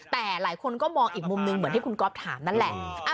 แต่หลายคนก็มองอีกมุมหนึ่งเหมือนที่คุณก๊อฟถามนั่นแหละ